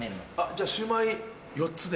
じゃあシューマイ４つで。